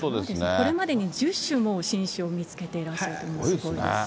これまでに１０種も新種を見つけていらっしゃるそうですね。